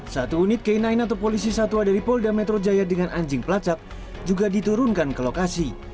satu unit k sembilan atau polisi satwa dari polda metro jaya dengan anjing pelacak juga diturunkan ke lokasi